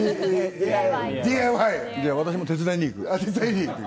私も手伝いに行く。